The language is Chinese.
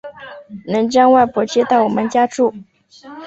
能将外婆接到我们家住